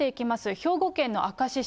兵庫県の明石市。